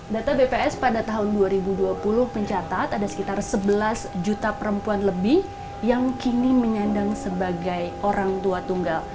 data bps pada tahun dua ribu dua puluh mencatat ada sekitar sebelas juta perempuan lebih yang kini menyandang sebagai orang tua tunggal